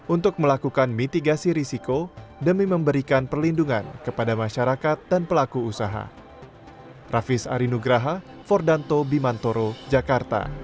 untuk melakukan mitigasi risiko demi memberikan perlindungan kepada masyarakat dan pelaku usaha